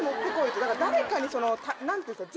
誰かに何ていうんですか。